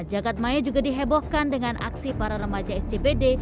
jagadmaya juga dihebohkan dengan aksi para remaja sjpd